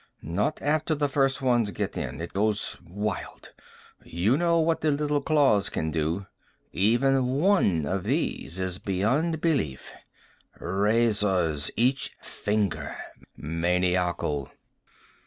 Not after the first one gets in. It goes wild. You know what the little claws can do. Even one of these is beyond belief. Razors, each finger. Maniacal."